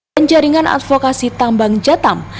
dan jaringan advokasi tambang jatam